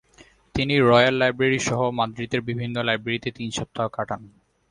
তিনি royal library সহ মাদ্রিদের বিভিন্ন লাইব্রেরিতে তিন সপ্তাহ কাটান।